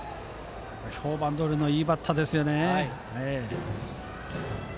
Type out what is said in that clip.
評判どおりいいバッターですよね。